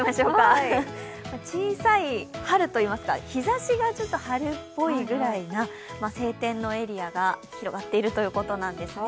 小さい春といいますか、日ざしがちょっと春っぽいぐらいな晴天のエリアが広がっているということなんですね。